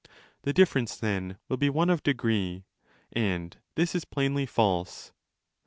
2. The difference, then, will be one of degree: and this is plainly false.